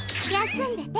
休んでて。